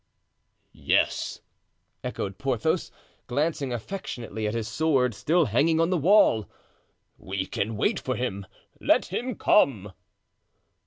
"Yes," echoed Porthos, glancing affectionately at his sword, still hanging on the wall; "we can wait for him; let him come."